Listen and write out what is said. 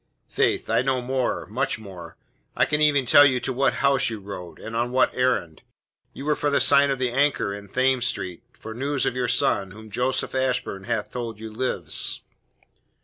"Faith, I know more much more. I can even tell you to what house you rode, and on what errand. You were for the sign of the Anchor in Thames Street, for news of your son, whom Joseph Ashburn hath told you lives."